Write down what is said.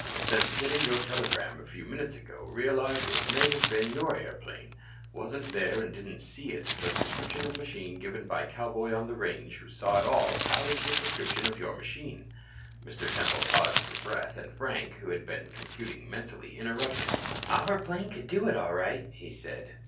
Since getting your telegram few minutes ago realize it may have been your airplane. Wasn't there and didn't see it but description of machine given by cowboy on the range who saw it all tallies with description of your machine." Mr. Temple paused for breath, and Frank, who had been computing mentally, interrupted. "Our plane could do it all right," he said.